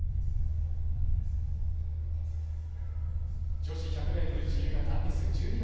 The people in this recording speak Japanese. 女子１００ｍ自由形Ｓ１２